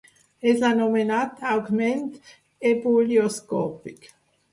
És l'anomenat augment ebullioscòpic.